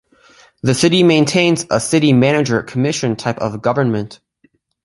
The city maintains a city manager commission type of government.